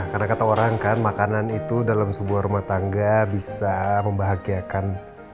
karena kata orang kan makanan itu dalam sebuah rumah tangga bisa membahagiakan